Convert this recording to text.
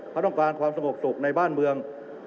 เขาต้องการความสงบสุขในบ้านเมือง